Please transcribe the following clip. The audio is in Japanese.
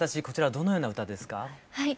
こちらはどのような歌ですか？